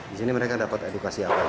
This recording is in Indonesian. di sini mereka dapat edukasi apa